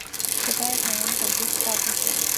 是该省人口第四大城市。